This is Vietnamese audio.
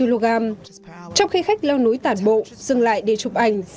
trong khi khách leo núi tản bộ dừng lại để chụp ảnh